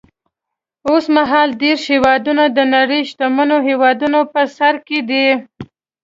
اوس مهال دېرش هېوادونه د نړۍ شتمنو هېوادونو په سر کې دي.